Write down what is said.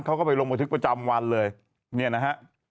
เขาก็ไปลงบันทึกประจำวันเลยเนี่ยนะฮะ